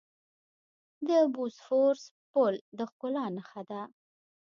د بوسفورس پل د ښکلا نښه ده.